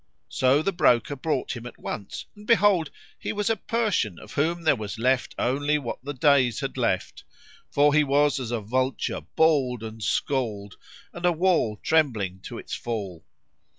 So the broker brought him at once and, behold, he was a Persian of whom there was left only what the days had left; for he was as a vulture bald and scald and a wall trembling to its fall.